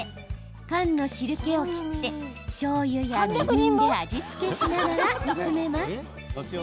缶の汁けを切ってしょうゆや、みりんで味付けしながら煮詰めます。